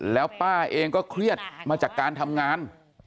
แล้วป้าเองก็เครียดมาจากการทำงาน